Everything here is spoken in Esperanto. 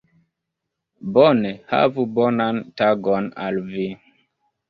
Bone, havu bonan tagon al vi